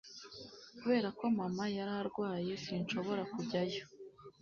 kubera ko mama yari arwaye, sinshobora kujyayo